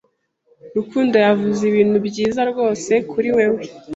Rukundo yavuze ibintu byiza rwose kuri wewe.